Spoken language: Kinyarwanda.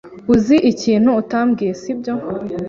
Uzi ikintu utambwiye, sibyo?